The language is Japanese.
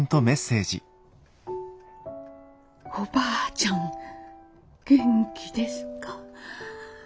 「おばあちゃん元気ですか？」。